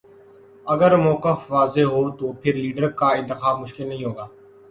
اگر موقف واضح ہو تو پھر لیڈر کا انتخاب مشکل نہیں ہو گا۔